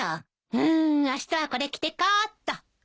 うーんあしたはこれ着てこうっと。